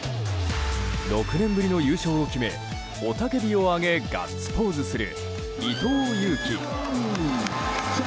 ６年ぶりの優勝を決め雄たけびを上げガッツポーズする伊藤有希。